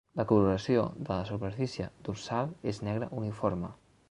La coloració de la superfície dorsal és negre uniforme.